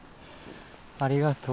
ありがとう。